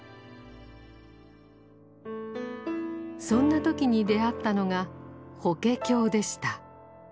そんな時に出会ったのが法華経でした。